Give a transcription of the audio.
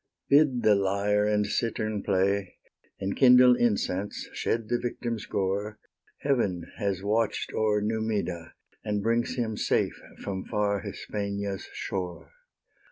Bid the lyre and cittern play; Enkindle incense, shed the victim's gore; Heaven has watch'd o'er Numida, And brings him safe from far Hispania's shore.